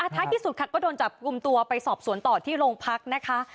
ท้ายที่สุดค่ะก็โดนจับกลุ่มตัวไปสอบสวนต่อที่โรงพักนะคะ